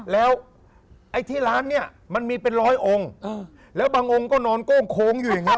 แล้วไอ้ที่ร้านเนี่ยมันมีเป็นร้อยองค์แล้วบางองค์ก็นอนโก้งโค้งอยู่อย่างเงี้